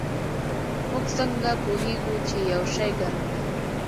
موږ څنګه پوهیږو چې یو شی ګرم دی